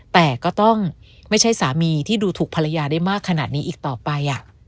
แต่ก็ต้องไม่ใช่สามีที่ดูถูกภรรยาได้มากขนาดนี้อีกต่อไป